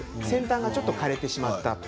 先端がちょっと枯れてしまった。